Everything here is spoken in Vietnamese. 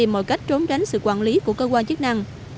mọi cách trốn tránh sự quản lý của cơ quan chức năng